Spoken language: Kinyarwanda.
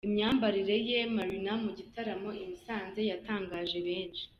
Imyabarire ya Marina mu gitaramo i Musanze yatangaje benshi.